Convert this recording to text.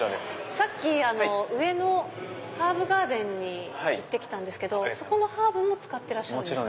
さっき上のハーブガーデンに行ってきたんですけどそこのハーブも使ってますか？